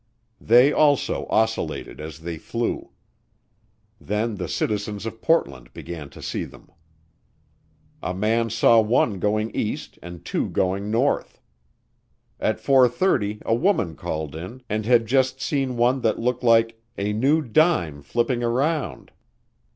They also oscillated as they flew. Then the citizens of Portland began to see them. A man saw one going east and two going north. At four thirty a woman called in and had just seen one that looked like "a new dime flipping around."